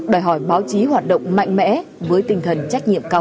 đòi hỏi báo chí hoạt động mạnh mẽ với tinh thần trách nhiệm cao